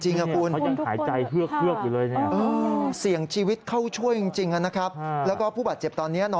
คุณเขายังหายใจเฮือกอยู่เลยเนี่ยเสี่ยงชีวิตเข้าช่วยจริงนะครับแล้วก็ผู้บาดเจ็บตอนนี้นอน